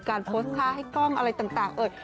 การโพสต์ท่าให้กล้องอะไรต่างเอ่ย